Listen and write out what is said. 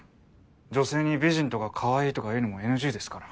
女性に「美人」とか「かわいい」とか言うのもＮＧですから。